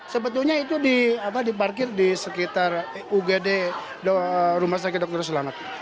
sebetulnya itu diparkir di sekitar ugd rumah sakit dr selamat